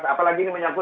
apalagi ini menyambut